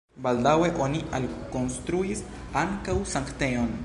Baldaŭe oni alkonstruis ankaŭ sanktejon.